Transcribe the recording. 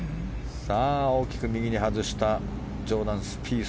大きく右に外したジョーダン・スピース。